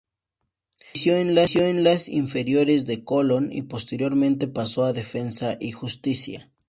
Se inició en las inferiores de Colón y posteriormente pasó a Defensa y Justicia.